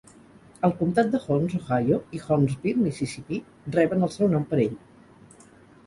El comtat de Holmes, Ohio, i Holmesville, Mississippi, reben el seu nom per ell.